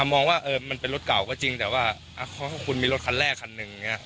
มองว่ามันเป็นรถเก่าก็จริงแต่ว่าคุณมีรถคันแรกคันหนึ่งอย่างนี้